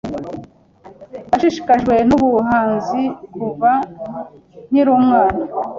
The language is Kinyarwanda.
Nashishikajwe nubuhanzi kuva nkiri umwana.